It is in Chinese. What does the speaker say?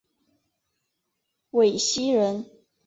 讳熙仁。